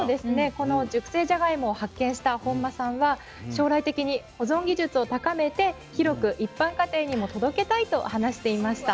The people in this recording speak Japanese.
この熟成じゃがいもを発見した本間さんは将来的に保存技術を高めて広く一般家庭にも届けたいと話していました。